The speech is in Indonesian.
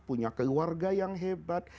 punya keluarga yang hebat